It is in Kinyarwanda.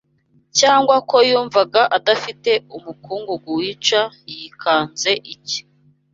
Cyangwa ko yumvaga adafite umukungugu wica yikanze iki